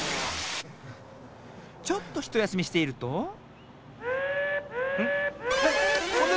ちょっとひとやすみしているとん？